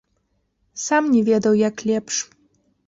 Сам не ведаў, як лепш.